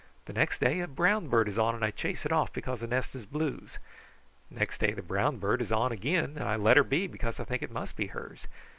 The next day a brown bird is on, and I chase it off because the nest is blue's. Next day the brown bird is on again, and I let her be, because I think it must be hers.